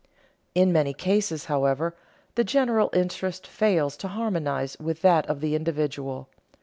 In many cases, however, the general interest fails to harmonize with that of the individual.